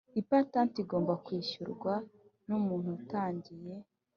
Ipatanti igomba kwishyurwa n umuntu utangiye